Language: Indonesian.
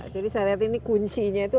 jadi saya lihat ini kuncinya itu